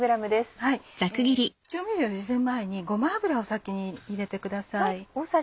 調味料を入れる前にごま油を先に入れてください。